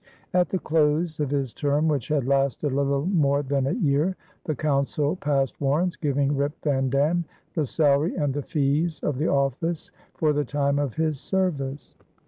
At the close of his term, which had lasted a little more than a year, the Council passed warrants giving Rip van Dam the salary and the fees of the office for the time of his service.